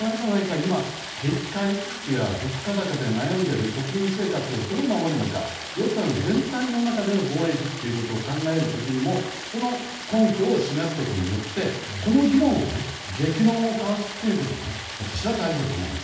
今、景気回復や物価高で悩んでいる国民生活をどう守るのか予算全体の中での防衛費ということを考える時にもその根拠を示すことによってこの議論、激論を交わすことが私は大事だと思います。